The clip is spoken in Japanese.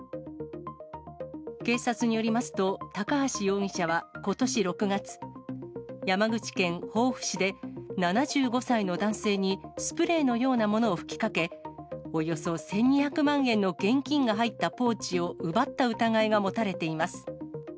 警察によりますと、高橋容疑者はことし６月、山口県防府市で、７５歳の男性にスプレーのようなものを吹きかけ、およそ１２００万円の現金が入ったポーチを奪った疑いが持たれています。